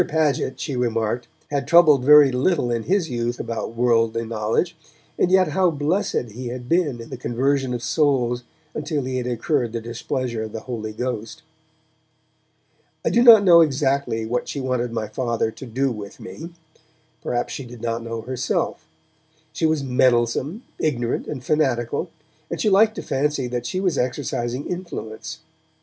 Paget, she remarked, had troubled very little in his youth about worldly knowledge, and yet how blessed he had been in the conversion of souls until he had incurred the displeasure of the Holy Ghost! I do not know exactly what she wanted my Father to do with me; perhaps she did not know herself; she was meddlesome, ignorant and fanatical, and she liked to fancy that she was exercising influence.